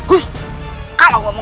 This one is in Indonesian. kamu mau alihkannya